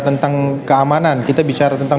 tentang keamanan kita bicara tentang